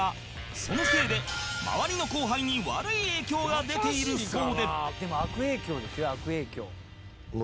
そのせいで周りの後輩に悪い影響が出ているそうで